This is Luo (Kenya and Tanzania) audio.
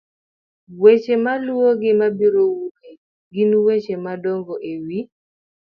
weche maluwogi ma abiro wuoye gin weche madongo e wi